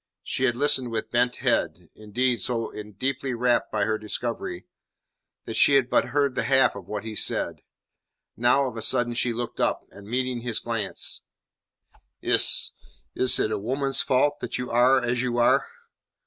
She had listened with bent head; indeed, so deeply rapt by her discovery, that she had but heard the half of what he said. Now, of a sudden, she looked up, and meeting his glance: "Is is it a woman's fault that you are as you are?"